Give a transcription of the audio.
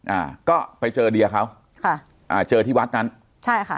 อ่าก็ไปเจอเดียเขาค่ะอ่าเจอที่วัดนั้นใช่ค่ะ